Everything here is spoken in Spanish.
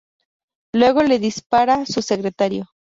Luego le dispara su secretario.